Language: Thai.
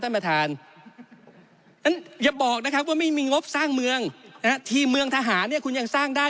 ไม่มีงบสร้างเมืองนะฮะทีมเมืองทหารเนี่ยคุณยังสร้างได้